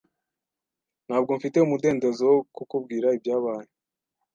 Ntabwo mfite umudendezo wo kukubwira ibyabaye.